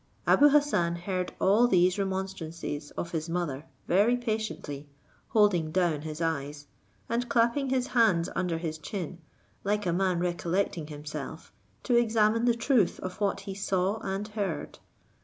Abou Hassan heard all these remonstrances of his mother very patiently, holding down his eyes, and clapping his hands under his chin, like a man recollecting himself, to examine the truth of what he saw and heard.